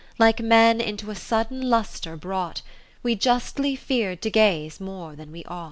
Like men into a sudden lustre brought. We justly fear'd to gaze more than we ought.